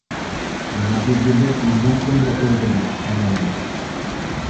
Ғәзизебеҙ үлгән көндә тыуҙы бит малайың.